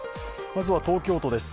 まずは東京都です。